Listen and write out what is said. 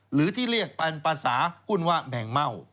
หรือที่เรียกภาษาหุ้นว่าแบ่งเม่า